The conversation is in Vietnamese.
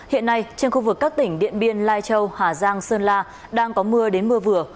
hiện nay trên khu vực các tỉnh điện biên lai châu hà giang sơn la đang có mưa đến mưa vừa